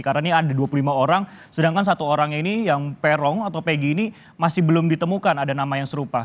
karena ini ada dua puluh lima orang sedangkan satu orang ini yang perong atau pegi ini masih belum ditemukan ada nama yang serupa